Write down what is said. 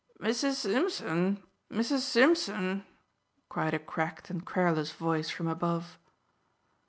"Missus Simpson, Missus Simpson!" cried a cracked and querulous voice from above.